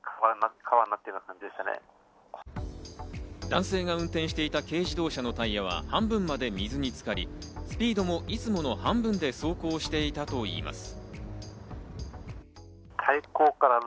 男性が運転していた軽自動車のタイヤは半分まで水につかり、スピードもいつもの半分で走行していたといいます。